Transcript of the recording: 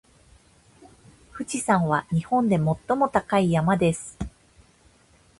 富士山は日本で最も高い山です。